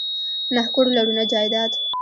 نه کور لرو نه جایداد